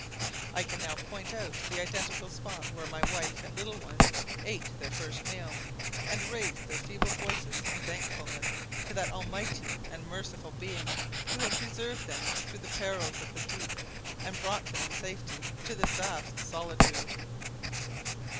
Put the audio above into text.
"I can now point out the identical spot where my wife and little ones ate their first meal, and raised their feeble voices in thankfulness to that Almighty and merciful Being who had preserved them through the perils of the deep, and brought them in safety to this vast solitude.